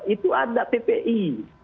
itu ada ppi